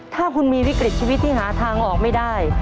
ถ้าคุณมีวิกฤตชีวิตที่หาทางออกไม่ได้